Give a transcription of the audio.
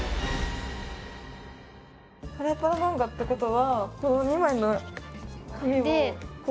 パラパラ漫画ってことはこの２枚の絵を。